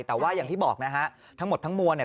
แต่ว่าอย่างที่บอกนะฮะทั้งหมดทั้งมวลเนี่ย